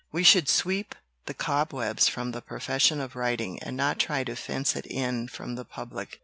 We should sweep the cobwebs from the profession of writing and not try to fence it in from the public."